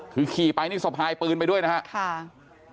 คือขี่ไปนี่สะพายปืนไปด้วยนะครับ